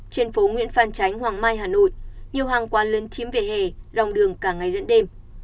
trên phố nguyễn phan chánh hoàng mai hà nội nhiều hàng quán lân chiếm vỉa hè lòng đường cả ngày lẫn đêm